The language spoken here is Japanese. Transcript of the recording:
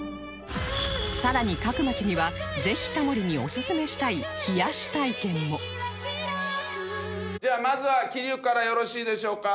さらに各街にはぜひタモリにオススメしたい冷やし体験もではまずは桐生からよろしいでしょうか。